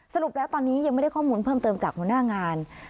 สรุปแล้วตอนนี้ยังไม่ได้ข้อมูลเพิ่มเติมจากหัวหน้างาน